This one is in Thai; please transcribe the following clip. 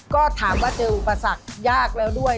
ก็ถามว่าเจออุปสรรคยากแล้วด้วย